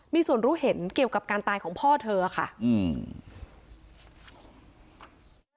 มีส่วนรู้เห็นเกี่ยวกับการตายของพ่อเธอค่ะอืม